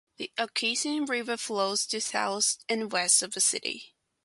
The Ocheyedan River flows to the south and west of the city.